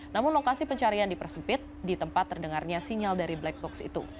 namun lokasi pencarian dipersempit di tempat terdengarnya sinyal dari black box itu